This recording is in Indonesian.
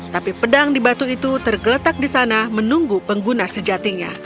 tapi pedang di batu itu tergeletak di sana menunggu pengguna sejatinya